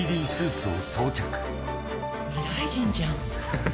未来人じゃん。